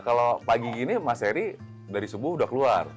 kalau pagi gini mas eri dari subuh udah keluar